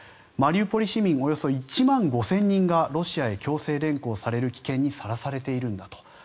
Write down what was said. マリウポリ市民およそ１万５０００人がロシアへ強制連行される危険にさらされているんだと。